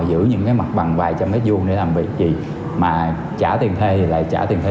giữ những cái mặt bằng vài trăm mét vuông để làm việc vì mà trả tiền thê thì lại trả tiền thê